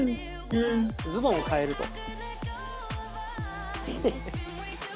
ズボンを替えると。